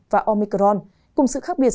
và omicron cùng sự khác biệt